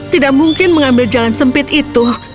tidak mungkin mengambil jalan sempit itu